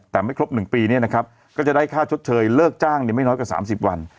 แต่ไม่ครบ๑ปีเนี่ยนะครับก็จะได้ค่าชดเชยเลิกจ้างไม่น้อยกว่า๓๐วัน